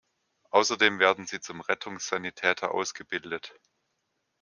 Außerdem werden sie zum Rettungssanitäter ausgebildet.